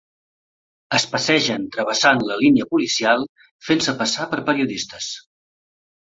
Es passegen travessant la línia policial fent-se passar per periodistes.